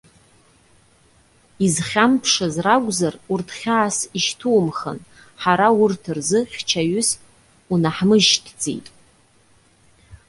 Изхьамԥшыз ракәзар урҭ хьаас ишьҭумхын, ҳара урҭ рзы хьчаҩыс унаҳмышьҭӡеит.